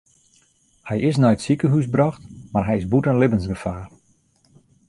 Hy is nei it sikehús brocht mar hy is bûten libbensgefaar.